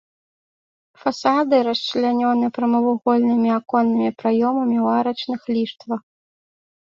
Фасады расчлянёны прамавугольнымі аконнымі праёмамі ў арачных ліштвах.